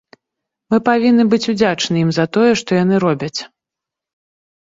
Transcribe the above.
Мы павінны быць удзячныя ім за тое, што яны робяць.